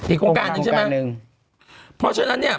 อีกโครงการหนึ่งเพราะฉะนั้นเนี่ย